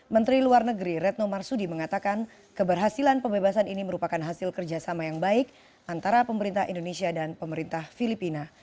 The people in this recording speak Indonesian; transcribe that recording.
menteri luar negeri retno marsudi mengatakan keberhasilan pembebasan ini merupakan hasil kerjasama yang baik antara pemerintah indonesia dan pemerintah filipina